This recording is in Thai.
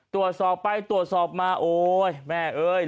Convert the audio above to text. ตรวจสอบไปตรวจสอบมาโอ๊ยแม่เอ้ย